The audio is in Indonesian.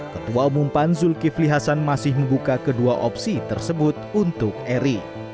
ketua umum pan zulkifli hasan masih membuka kedua opsi tersebut untuk eri